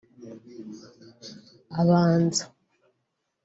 abanza